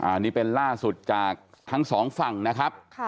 อันนี้เป็นล่าสุดจากทั้งสองฝั่งนะครับ